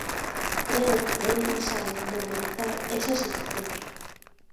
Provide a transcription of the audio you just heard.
Creo que é necesario normalizar esas situacións.